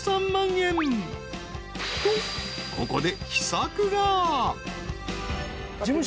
［とここで］